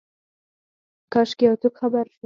کاشکي یوڅوک خبر شي،